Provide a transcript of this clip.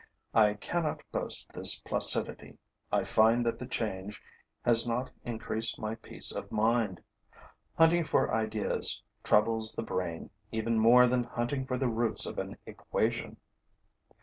I cannot boast this placidity; I find that the change has not increased my peace of mind; hunting for ideas troubles the brain even more than hunting for the roots of an equation.